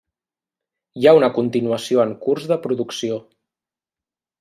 Hi ha una continuació en curs de producció.